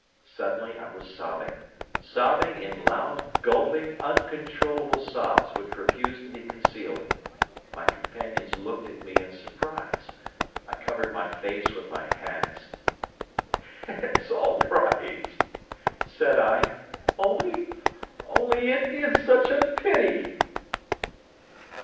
Suddenly I was sobbing sobbing in loud, gulping, uncontrollable sobs which refused to be concealed. My companions looked at me in surprise. I covered my face with my hands. "It's all right," said I. "Only only it is such a pity!"